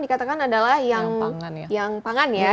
dikatakan adalah yang pangan ya